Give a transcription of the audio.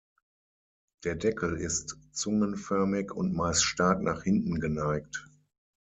Der Deckel ist zungenförmig und meist stark nach hinten geneigt.